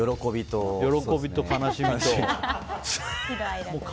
喜びと悲しみと。